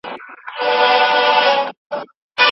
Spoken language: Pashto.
پف کب 🐡